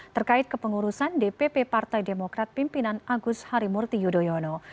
terkait kepengurusan dpp partai demokrat pimpinan agus harimurti yudhoyono